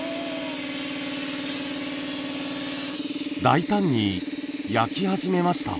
大胆に焼き始めました。